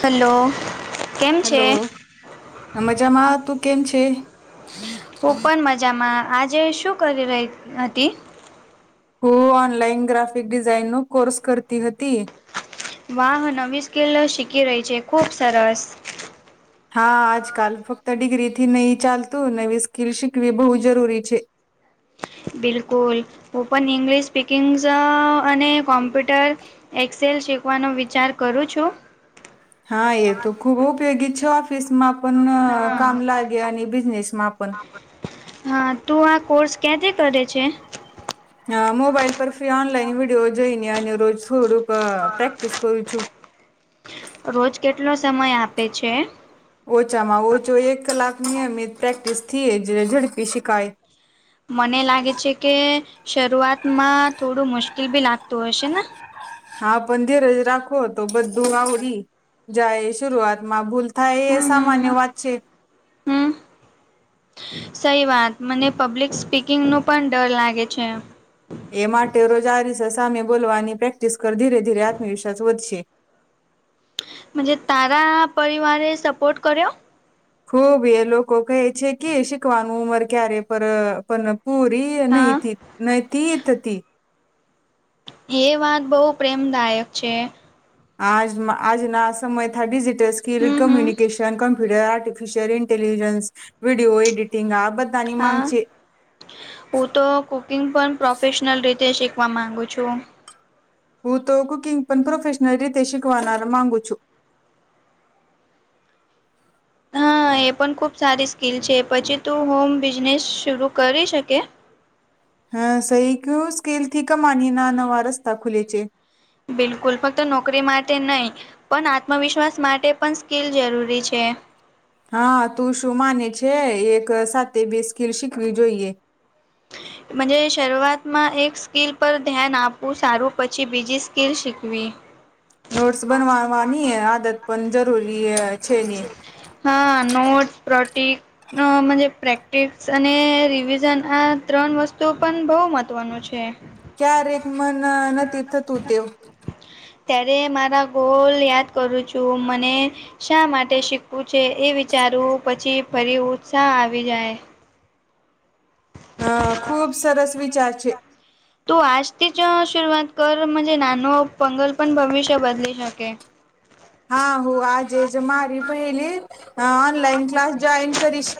હંલો. Hello, મજામાં તું કેમ છે? હું પણ મજામાં, આજે શું કરી રય હતી? હું ઓનલાઈન ગ્રાફિક ડિઝાઇન નું કોર્સ કરતી હતી. વાહ નવી સ્કિલો શીખી રહી છે. ખુબ સરસ. હા આજકાલ ફક્ત ડિગ્રીથી નય ચાલતું નવી સ્કીલ શીખવી બો જરૂરી છે. બિલકુલ હું પણ ઇંગ્લિશ સ્પીકિંગ્સ અને કોમ્પ્યુટર. એક્સેલ શીકવાનો વિચાર કરું છું. હા એ તો ખૂબ ઉપયોગી છે ઓફિસ માં પણ હા કામ લાગે અને બિઝનેસમાં પણ. હા, તું આ કોર્સ ક્યાંથી કરે છે? હા મોબાઈલ પર ફી ઓનલાઈન વિડીયો જોઈને અને રોજ થોડુંક અ પ્રેક્ટિસ કરું છું. રોજ કેટલો સમય આપે છે? ઓછામાં ઓચો એક કલાકની નીયમીત પ્રેક્ટિસ થિ એજ ઝડપી શિકાય. મને લાગે છે કે શરૂઆતમાં થોડું મુશ્કિલ બી લાગતું હશે ને.? હા પણ ધીરજ રાખો તો બધું આવડી જાય શુરૂઆતમાં ભૂલ થાય એ સામાન્ય વાત છે. અમ. સઈ વાત મને પબ્લિક સ્પીકિંગનુ પણ ડર લાગે છે. એ માટે રોજ આરિશા સામે બોલવાની પ્રેક્ટિસ કર ધીરે ધીરે આત્મવિશ્વાસ વધશે. જ તારા પરિવારે સપોર્ટ કર્યો.? ખુબ એ લોકો કહે છે કે શીખવાનું ઉંમર ક્યારે પણ પણ પૂરી હા નહતી નહતી ત હતી. એ વાત બહુ પ્રેમદાયક છે. આજ આજના સમય થી ડિજિટલ સ્કિલ હમ હમ કમ્યુનિકેશન ક [unintelligible] આર્ટિફિશિયલ ન્ટેલિજન્સ, વિડીયો એડિટિંગ આ બધ હા. હું તો કુકિંગ પણ પ્રોફેશનલ રીતે શીખવા માંગુ છું. હું તો કુકિંગ પણ પ્રોફેશનલ રીતે શીકવાનાર માંગુ છું. હા એ પણ ખુબ સારી સ્કિલ છે, પછી તું હોમ બિઝનેસ શરૂ કરી શકે? હા સહી કિયુ સ્કિલ થી કમાની ના નવા રસ્તા ખુલે છે. બિલકુલ ફક્ત નોકરી માટે નય. પણ આત્મવિશ્વાસ માટે પણ સ્કિલ જરૂરી છે. હા તું શું માને છે એક સાથે બે સ્કિલ શીખવી જોઈએ? [inaudible] મનઝે શરૂઆતમાં એક સ્કિલ પર ધ્યાન આપવું સારું પછી બીજી સ્કિલ શીકવી. [inaudible] નોટ્સ બનવાવાની આદત પણ જરૂરી હૈ. હા નોટ્સ પ્રોટિક અ મનઝે પ્રેક્ટિસ અને રિવિઝન આ ત્રણ વસ્તુ પણ બો મહત્વનું છે. ક્યારેક મન નથી થતું તેવુ. ત્યારે મારા ગોલ યાદ કરું છું મને શા માટે શીખવું છે એ વિચારૂ? પછી ફરી ઉત્સાહ આવી જાય. હ ખુબ સરસ વિચાર છે. તું આજથી જ શરૂઆત કર મને નાનો પંગલ પણ ભવિષ્ય બદલી શકે. હા હુઆ આજે જ મારી પહેલી ઓનલાઈન ક્લાસ જોઈન કરીશ.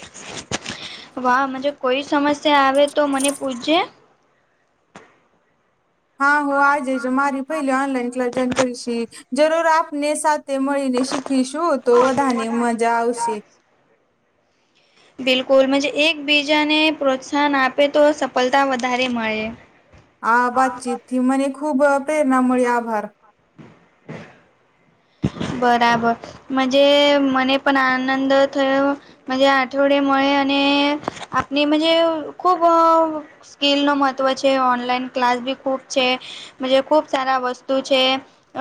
વાહ મુજે કોઈ સમસ્યા આવે તો મને પૂછજે હા હું આજે જ મારી પેલી ઓનલાઈન ક્લાસ જોઈન કરીશ જરૂર આપને સાથે તે મળીને શીખીશું તો બધાને મજા આવશે. બિલકુલ મુજે એકબીજાને પ્રોત્સાહન આપે તો સફળતા વધારે મળે આ વાતચીત થી મને ખૂબ પ્રેરણા મળી આભાર. [inaudible] બરાબર. મુજે મને પણ આનંદ થયો. મુજ આ અઠવાડિયા મોએ અને આપણેજ ખૂબ અ સ્કીિલનું મહત્ત્વ છે ઓનલાઈન ક્લાસ બી ખૂબ છેજ ખૂબ સારા વસ્તુ છે.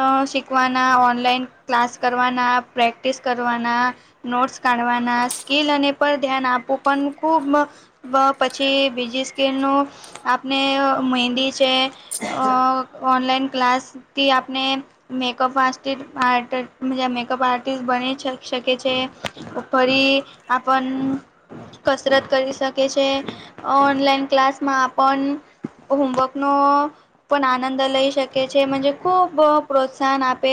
અ શીખવાના ઓનલાઈન ક્લાસ કરવાના પ્રેક્ટિસ કરવાના નોટસ કાઢવાના સ્કીિલ અને પર ધ્યાન આપું પણ ખુબ પ પછી બીજી સ્કીલ નું આપને મહેંદી છે ઓ ઓનલાઈન ક્લાસથી આપણે મેકઅપ આકિસ્ત મેકઅપ આર્ટિસ્ટ બની શકે છે. ફરી આપણ કસરત કરી શકે છે ઓનલાઈન ક્લાસમાં આપણ હોમવર્ક નો પણ આ અંદર લઈ શકે છે મુજે ખૂબ પ્રોત્સાહન આપે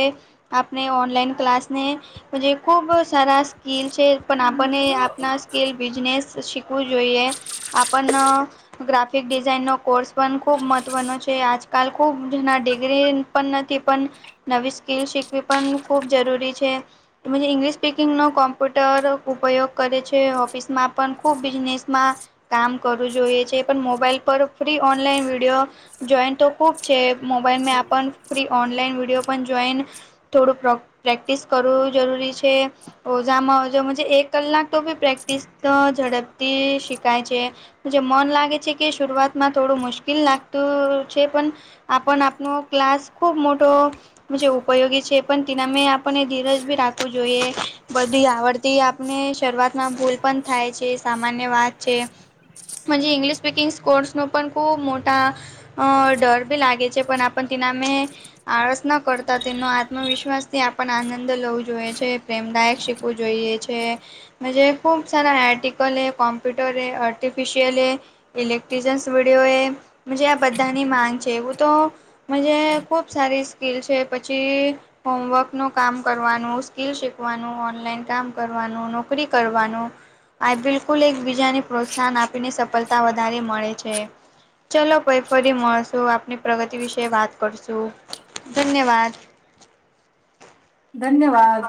આપણે ઓનલાઈન ક્લાસને મુજે ખૂબ સારા સ્કીલ છે પણ આપણને આપના સ્કીલ બિઝનેસ શીખવું જોઈએ. આપણ ન ગ્રાફિક ડિઝાઇન નો કોર્સ પણ ખુબ મહત્વનો છે આજ કાલ ખૂબ જના ડિગ્રી પણ નથી પણ નવી સ્કીલ શીખવી પણ ખૂબ જરૂરી છે. મુજે ઈંગ્લિશ સ્પીકિંગનો કોમ્પ્યુટર ઉપયોગ કરે છે ઓફિસમાં પણ ખૂબ બિઝનેસમાં કામ કરવું જોઈએ છે પણ મોબાઈલ પર ફ્રી ઓનલાઈન વિડીયો જોઈન તો ખૂબ છે મોબાઈલ મે આપ પણ ફ્રી ઓનલાઈન વિડીયો પણ જોઈન થોડું પ્રોક પ્રેક્ટિસ કરવું જરૂરી છે. ઓઝામાં ઓજો એક કલાક તો બી પ્રેક્ટિસ ઝડપથી શીખાય છે. જે મન લાગે છે કે શરૂઆતમાં થોડું મુશ્કેલ લાગતું છે પણ આપણ આપનો ક્લાસ ખૂબ મોટો મુજે ઉપયોગી છે પણ તેના મે આપણને ધીરજ બી રાખવું જોઈએ બધી આવડ તે આપને શરૂઆતમાં ભૂલ પણ થાય છે સામાન્ય વાત છે. મુજે ઇંગ્લિશ સ્પીકિંગ્સ કોર્સનો પણ ખૂબ મોટા ડર ભૂખ બી લાગે છે પણ આપ તેના મે આળસ ન કરતા તેનો આત્મવિશ્વાસ થી આપને આનંદ લવું જોઈએ છે પ્રેમદાયક શ આપવું જોઈએ છે. જ ખૂબ સારા આર્ટિકલ એ કોમ્પ્યુટર એ આર્ટિફિશિયલ એ ઇલેક્ટ્રિશયન્સ વિડિયો એ આ બધાની માંગ છે એવું તો મુજે ખુબ સારી સ્કીલ છે પછી હોમવર્ક નુ કામ કરવાનું સ્કીલ શીખવાનું ઓનલાઈન કામ કરવાનું નોકરી કરવાનું આ બિલકુલ એકબીજાને પ્રોત્સાહન આપીને સફળતા વધારે મળે છે. ચલો ભાઈ ફરી મળશું આપની પ્રગતિ વિશે વાત કરશું ધન્યવાદ. ધન્યવાદ